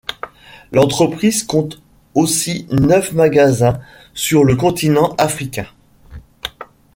L'entreprise compte aussi neuf magasins sur le continent africain.